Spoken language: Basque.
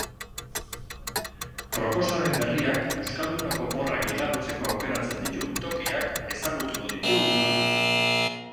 Proposamen berriak euskaldunok oporrak igarotzeko aukeratzen ditugun tokiak ezagutuko ditu udan.